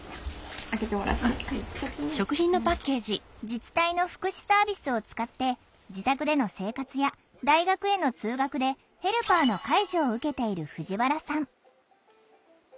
自治体の福祉サービスを使って自宅での生活や大学への通学でヘルパーの介助を受けている藤原さん。